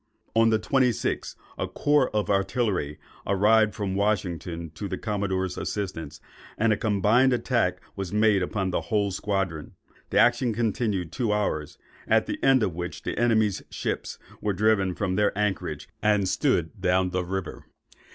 On the 26th, a corps of artillery arrived from Washington to the commodore's assistance, and a combined attack was made on the whole squadron. The action continued two hours; at the end of which the enemy's ships were driven from their anchorage, and stood down the river.